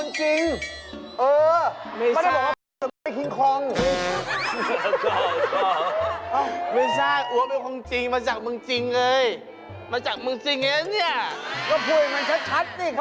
นี่ไม่ออกจริงเหรอว่าแต่งตัวอย่างนี้